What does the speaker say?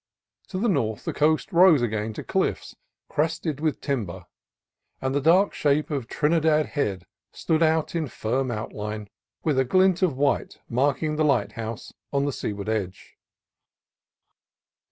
To the north the coast rose again to cliffs crested with timber, and the dark shape of Trinidad Head stood out in firm outline, with a glint of white marking the lighthouse on the seaward edge.